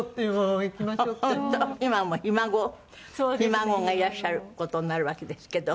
曾孫がいらっしゃる事になるわけですけど。